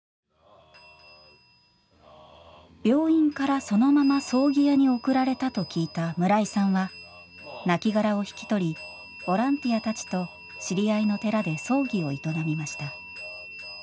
病院からそのまま葬儀屋に送られたと聞いた村井さんはなきがらを引き取りボランティアたちと知り合いの寺で葬儀を営みました。